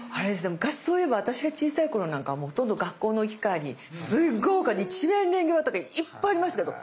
昔そういえば私が小さい頃なんかもうほとんど学校の行き帰りにすごい丘に一面レンゲ畑がいっぱいありましたけど。